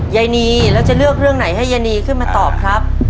ยายนีแล้วจะเลือกเรื่องไหนให้ยายนีขึ้นมาตอบครับ